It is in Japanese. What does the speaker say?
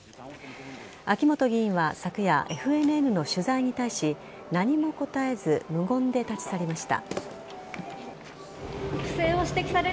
秋本議員は昨夜ＦＮＮの取材に対し何も答えず無言で立ち去りました。